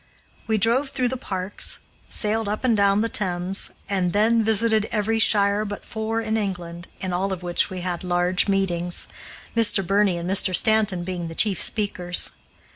We drove through the parks, sailed up and down the Thames, and then visited every shire but four in England, in all of which we had large meetings, Mr. Birney and Mr. Stanton being the chief speakers.